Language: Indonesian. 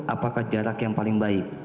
apakah jarak yang paling baik